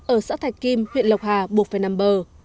ở xã thạch kim huyện lộc hà buộc phải nằm bờ